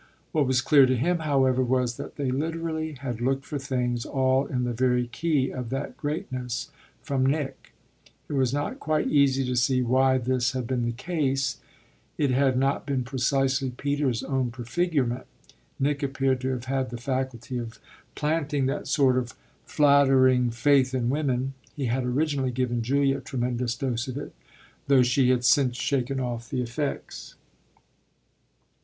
What was clear to him, however, was that they literally had looked for things all in the very key of that greatness from Nick. It was not quite easy to see why this had been the case it had not been precisely Peter's own prefigurement. Nick appeared to have had the faculty of planting that sort of flattering faith in women; he had originally given Julia a tremendous dose of it, though she had since shaken off the effects.